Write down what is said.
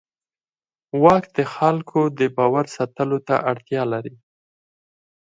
واک د خلکو د باور ساتلو ته اړتیا لري.